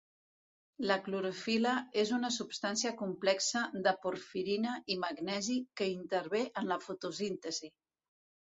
La clorofil·la és una substància complexa de porfirina i magnesi que intervé en la fotosíntesi.